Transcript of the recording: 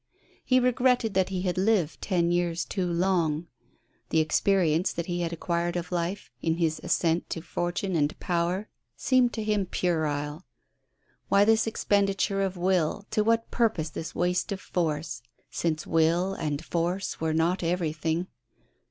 He regretted that he had lived ten years too long. The experience that he had acquired of life, in his ascent to fortune and power, seemed to him puerile. Why this expenditure of will, to what purpose this waste of force, since will and force were not everything?